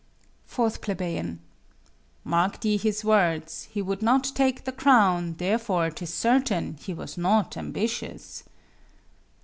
4 Ple. Mark'd ye his words? He would not take the crown; Therefore, 'tis certain, he was not ambitious.